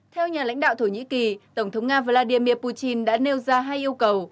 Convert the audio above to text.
theo nhà lãnh đạo thổ nhĩ kỳ tổng thống nga vladimir putin đã nêu ra hai yêu cầu